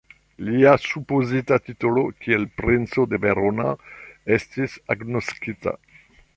Lia supozita titolo kiel princo de Verona estis agnoskita.